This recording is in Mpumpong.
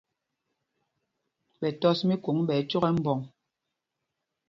Ɓɛ tɔs míkôŋ ɓɛ ɛcók ɛ mbɔŋ.